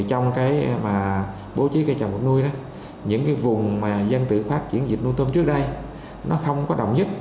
trong bố trí cây trồng vùng nuôi những vùng dân tự phát triển dịch nuôi tôm trước đây không có đồng nhất